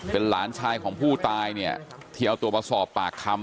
เป็นหลานชายของผู้ตายเทียวตัวประสอบปากคำ